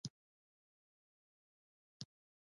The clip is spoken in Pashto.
بایسکل یو له غوره فزیکي فعالیتونو څخه دی.